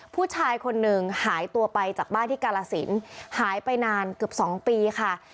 ผู้ชายคนหนึ่งหายตัวไปจากบ้านที่กาลสินหายไปนานเกือบ๒ปีค่ะ